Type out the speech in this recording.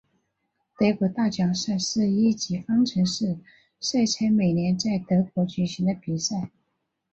德国大奖赛是一级方程式赛车每年在德国举行的比赛。